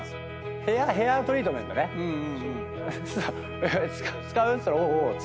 ヘアトリートメントね。